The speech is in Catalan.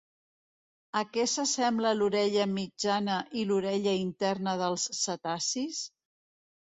A què s'assembla l'orella mitjana i l'orella interna dels cetacis?